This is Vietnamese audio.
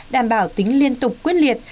đảm bảo tính liên tục quyết liệt